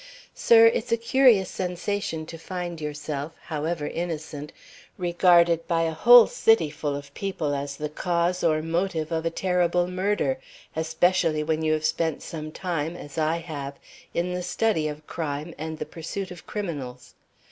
Sir, it's a curious sensation to find yourself, however innocent, regarded by a whole city full of people as the cause or motive of a terrible murder, especially when you have spent some time, as I have, in the study of crime and the pursuit of criminals.